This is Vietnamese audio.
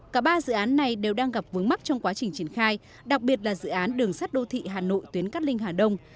cả ba dự án này đều đang gặp vướng mắt trong quá trình triển khai đặc biệt là dự án đường sắt đô thị hà nội tuyến cát linh hà đông